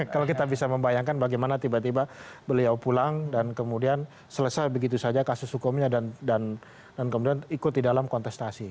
kalau kita bisa membayangkan bagaimana tiba tiba beliau pulang dan kemudian selesai begitu saja kasus hukumnya dan kemudian ikut di dalam kontestasi